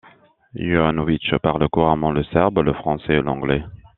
Jovanović parle couramment le serbe, le français et l'anglais.